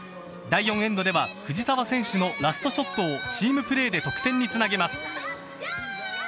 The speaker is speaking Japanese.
第４エンドでは藤澤選手のラストショットをチームプレーで得点につなげます。